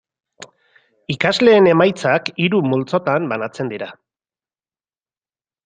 Ikasleen emaitzak hiru multzotan banatzen dira.